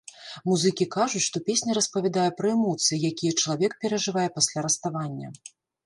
Музыкі кажуць, што песня распавядае пра эмоцыі, якія чалавек перажывае пасля раставання.